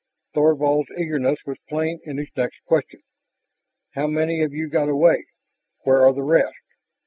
Thorvald's eagerness was plain in his next question: "How many of you got away? Where are the rest?"